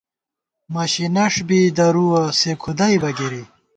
مشی نَش بی درُوَہ ، سےکُھدئیبہ گِری